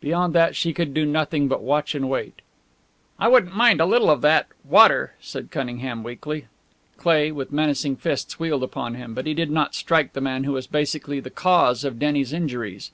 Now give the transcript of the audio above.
Beyond that she could do nothing but watch and wait. "I wouldn't mind a little of that water," said Cunningham, weakly. Cleigh, with menacing fists, wheeled upon him; but he did not strike the man who was basically the cause of Denny's injuries.